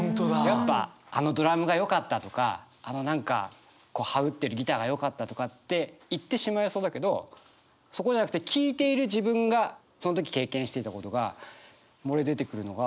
やっぱあのドラムがよかったとかあの何かハウってるギターがよかったとかって言ってしまいそうだけどそこじゃなくて聴いている自分がその時経験していたことが漏れ出てくるのが。